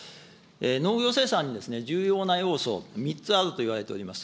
農業生産に重要な要素、３つあるといわれております。